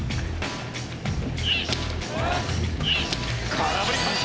空振り三振！